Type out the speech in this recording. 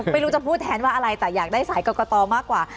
ไม่รู้จะพูดแทนว่าอะไรแต่อยากได้สายกรกตมากกว่า